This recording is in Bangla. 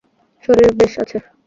শরীর বেশ আছে।